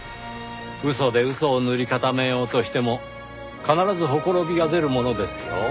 嘘で嘘を塗り固めようとしても必ずほころびが出るものですよ。